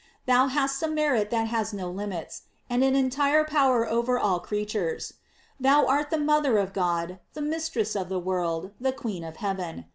Thou hast a merit that has no limits, and an entire power over all creat ures. Thou art the mother of God, the mistress of the world, the queen of heaven.